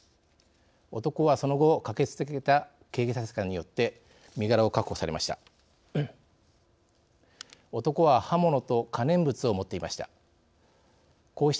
男は、その後駆けつけた警察官によって身柄を確保されました。